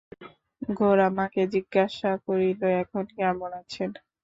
গোরা মাকে জিজ্ঞাসা করিল, এখন কেমন আছেন?